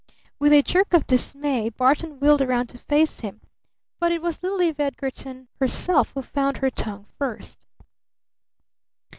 With a jerk of dismay Barton wheeled around to face him. But it was little Eve Edgarton herself who found her tongue first.